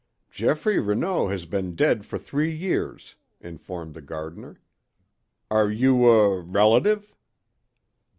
"Geoffrey Renaud has been dead for three years," informed the gardener. "Are you a relative?"